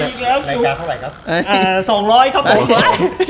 หน้าจ่าเท่าไหร่ครับ